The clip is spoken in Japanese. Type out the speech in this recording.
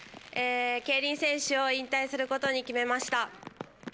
競輪選手を引退することに決めました。